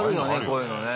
こういうのね。